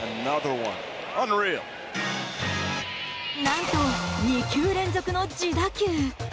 何と、２球連続の自打球。